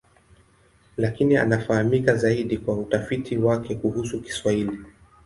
Lakini anafahamika zaidi kwa utafiti wake kuhusu Kiswahili.